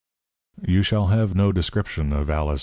You shall have no description of Alice v.